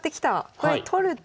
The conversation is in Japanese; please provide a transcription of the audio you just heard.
これ取ると？